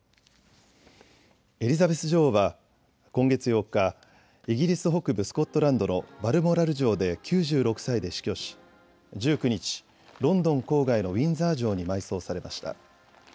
エリザベス女王は今月８日、イギリス北部スコットランドのバルモラル城で９６歳で死去し１９日、ロンドン郊外のウィンザー城に埋葬されました。